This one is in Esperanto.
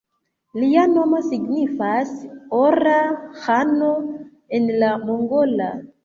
Lia nomo signifas "Ora ĥano" en la mongola.